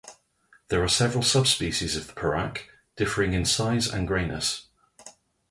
There are seven subspecies of the pauraque, differing in size and greyness.